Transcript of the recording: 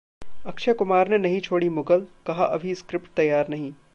अक्षय कुमार ने नहीं छोड़ी मुगल, कहा- अभी स्क्रिप्ट तैयार नहीं